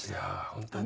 本当にね。